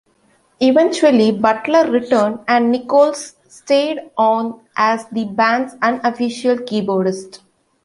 Eventually Butler returned and Nicholls stayed on as the band's unofficial keyboardist.